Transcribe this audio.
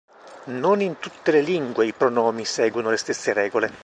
Non in tutte le lingue i pronomi seguono le stesse regole.